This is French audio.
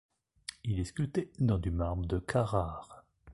Il est sculpté dans du marbre de Carrare.